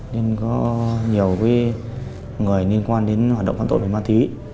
nên có nhiều người liên quan đến hoạt động phạm tội về ma túy